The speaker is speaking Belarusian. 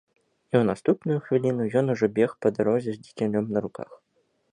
І ў наступную хвіліну ён ужо бег па дарозе з дзіцянём на руках.